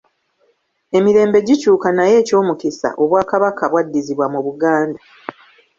Emirembe gikyuka naye ekyomukisa Obwakabaka bwaddizibwa mu Buganda.